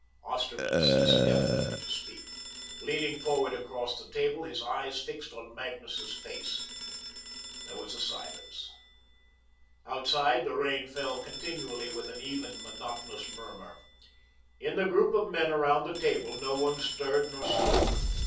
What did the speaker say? Osterman ceased definitely to speak, leaning forward across the table, his eyes fixed on Magnus's face. There was a silence. Outside, the rain fell continually with an even, monotonous murmur. In the group of men around the table no one stirred nor spoke.